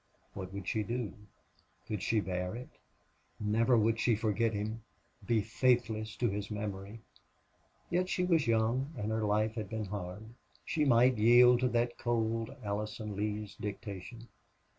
What would she do? Could she bear, it? Never would she forget him be faithless to his memory! Yet she was young and her life had been hard. She might yield to that cold Allison Lee's dictation.